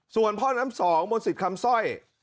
ส่วนพอนำสองบนสิจคำซ่อย